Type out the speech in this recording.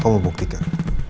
aku mau buktikan